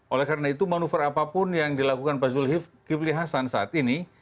oleh karena itu manuver apapun yang dilakukan pak zulkifli hasan saat ini